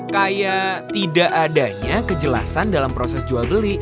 kayak tidak adanya kejelasan dalam proses jual beli